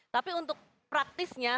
tapi untuk praktisnya